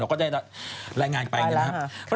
เราก็ได้รายงานไปเนี่ยนะฮะ